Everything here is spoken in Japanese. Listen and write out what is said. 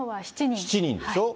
７人でしょ。